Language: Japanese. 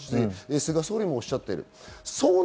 菅総理もおっしゃっています。